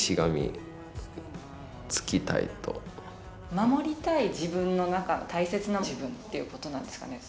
「守りたい自分の中の大切な自分」ということなんですかね？